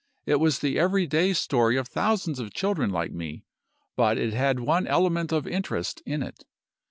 It was the every day story of thousands of children like me; but it had one element of interest in it.